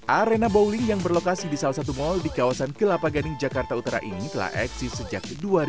arena bowling yang berlokasi di salah satu mal di kawasan kelapa gading jakarta utara ini telah eksis sejak dua ribu dua